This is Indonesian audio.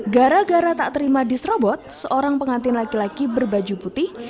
gara gara tak terima diserobot seorang pengantin laki laki berbaju putih